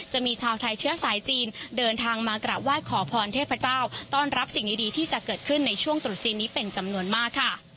จะมีชาวไทยเชื้อสายจีนเดินทางมากราบไหว้ขอพรเทพเจ้าต้อนรับสิ่งดีที่จะเกิดขึ้นในช่วงตรุษจีนนี้เป็นจำนวนมากค่ะ